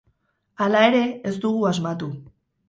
Hala ere, ez dugu asmatu.